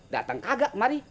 dateng kagak kemari